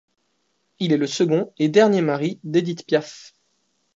Il est le second et dernier mari d'Édith Piaf.